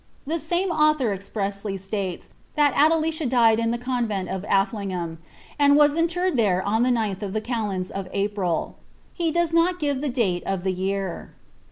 The same aathor expressly states, that Adelidi died in the convent of AfHighara, and was interred there on the 9th of the calends of April He does not give the date of the year.